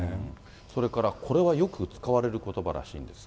それからこれはよく使われることばらしいんですが。